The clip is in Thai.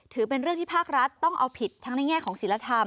ถือเป็นเรื่องที่ภาครัฐต้องเอาผิดทั้งในแง่ของศิลธรรม